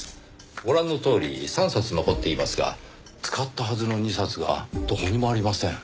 ご覧のとおり３冊残っていますが使ったはずの２冊がどこにもありません。